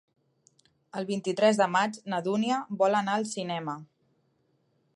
El vint-i-tres de maig na Dúnia vol anar al cinema.